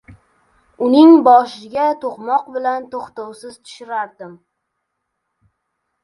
Uning boshiga to‘qmoq bilan to‘xtovsiz tushirardim.